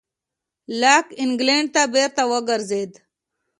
لاک انګلېنډ ته بېرته وګرځېد.